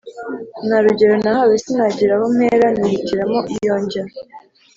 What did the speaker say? Nta rugero nahawe Sinagira aho mpera Nihitiramo iyo njya!